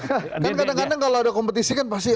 kan kadang kadang kalau ada kompetisi kan pasti